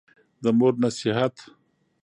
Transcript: د مور نصېحت